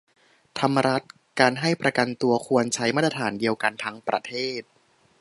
ธรรมรัตน์ : การให้ประกันตัวควรใช้มาตรฐานเดียวกันทั้งประเทศ